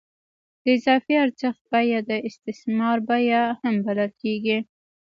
د اضافي ارزښت بیه د استثمار بیه هم بلل کېږي